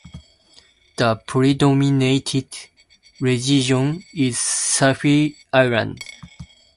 The predominant religion is Sufi Islam.